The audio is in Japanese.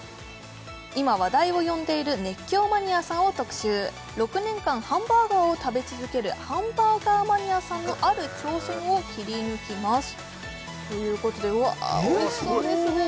今話題を呼んでいる熱狂マニアさんを特集６年間ハンバーガーを食べ続けるハンバーガーマニアさんのある挑戦をキリヌキますということでうわ美味しそうですね